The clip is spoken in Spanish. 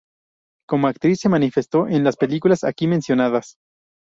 Como actriz, se manifestó en las películas aquí mencionadas.